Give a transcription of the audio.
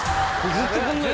ずっとこんなだよ。